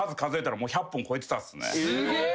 すげえ！